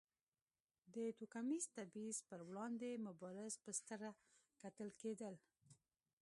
د توکمیز تبیض پر وړاندې مبارز په سترګه کتل کېدل.